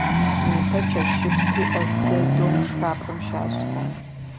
Непэ чэтщыпсыри ӏэшӏу дэдэу мы шхапӏэм щашӏыгъ.